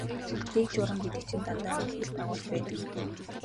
Дэг журам гэдэг чинь дандаа мөхөл дагуулж байдаг юм.